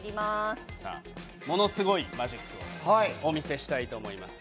ものすごいマジックをお見せしたいと思います。